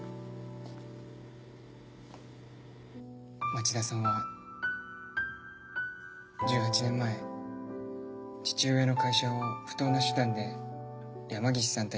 町田さんは１８年前父親の会社を不当な手段で山岸さんたちに奪われていました。